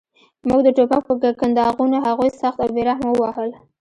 موږ د ټوپک په کنداغونو هغوی سخت او بې رحمه ووهل